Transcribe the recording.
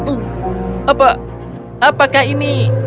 oh apa apakah ini